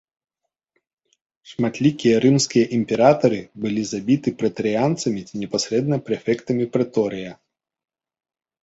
Шматлікія рымскія імператары былі забіты прэтарыянцамі ці непасрэдна прэфектам прэторыя.